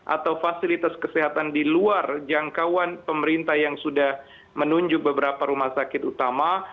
atau fasilitas kesehatan di luar jangkauan pemerintah yang sudah menunjuk beberapa rumah sakit utama